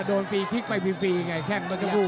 โดนฟรีพลิกไปฟรีไงแค่เมื่อกี้พูด